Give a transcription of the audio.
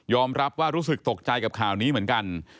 รับว่ารู้สึกตกใจกับข่าวนี้เหมือนกัน